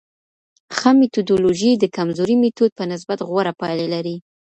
ښه میتودولوژي د کمزوري میتود په نسبت غوره پایلي لري.